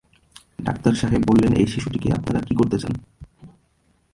Doctor সাহেব বললেন, এই শিশুটিকৈ আপনি কী করতে বলেন?